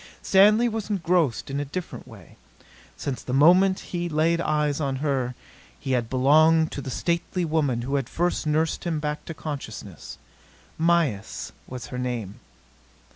Stanley was engrossed in a different way. Since the moment he laid eyes on her, he had belonged to the stately woman who had first nursed him back to consciousness. Mayis was her name.